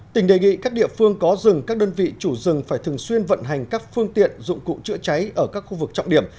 tỉnh đề nghị các địa phương có rừng các đơn vị chủ rừng phải thường xuyên vận hành các phương tiện dụng cụ chữa cháy ở các khu vực trọng điểm